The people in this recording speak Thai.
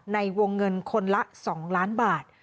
ในวงเงินคนละ๒ล้านบาท